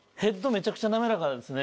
めちゃくちゃ滑らかですね